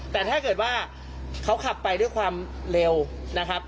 แต่ถ้าเกิดว่าเขาขับไปด้วยความเร็วนะครับ